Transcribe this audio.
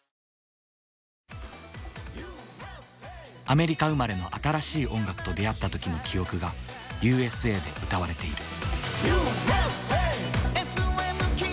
アメリカ生まれの新しい音楽と出会った時の記憶が「Ｕ．Ｓ．Ａ．」で歌われている。